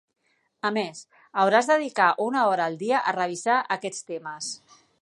A més, hauràs de dedicar una hora al dia a revisar aquests temes.